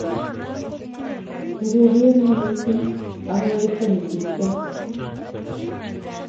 Ogergeri missing ako werto notupche